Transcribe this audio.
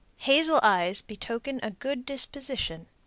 Hazel eyes betoken a good disposition.